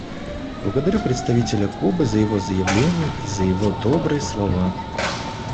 Благодарю представителя Кубы за его заявление и за его добрые слова.